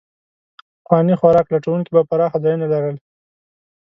پخواني خوراک لټونکي به پراخه ځایونه لرل.